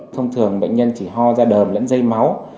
thông thường bệnh nhân chỉ ho ra đờm lẫn dây máu